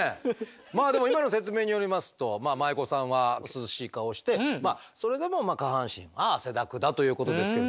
まあでも今の説明によりますと舞妓さんは涼しい顔してそれでも下半身は汗だくだということですけれどもね。